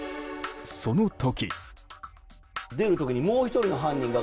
その時。